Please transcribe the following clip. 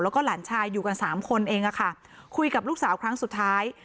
แล้วก็หลานชายอยู่กันสามคนเองอะค่ะคุยกับลูกสาวครั้งสุดท้าย